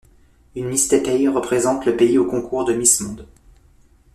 Une Miss Taipei représente le pays au concours de Miss Monde.